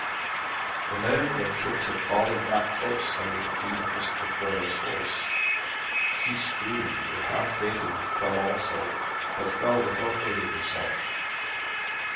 The man when kicked had fallen back close under the feet of Miss Trefoil's horse. She screamed and half fainting, fell also; but fell without hurting herself.